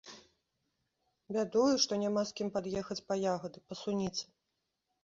Бядую, што няма з кім пад'ехаць па ягады, па суніцы.